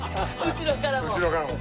後ろからも。